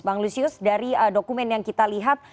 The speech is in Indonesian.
bang lusius dari dokumen yang kita lihat